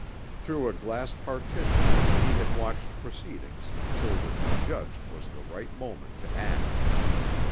Through a glass partition he had watched proceedings until what he judged was the right moment to act.